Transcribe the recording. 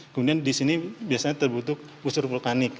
kemudian di sini biasanya terbentuk usur vulkanik